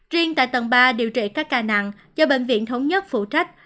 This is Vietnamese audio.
riêng tại tầng ba điều trị các ca nặng do bệnh viện thống nhất phụ trách